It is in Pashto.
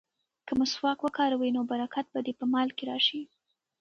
که مسواک وکاروې نو برکت به دې په مال کې راشي.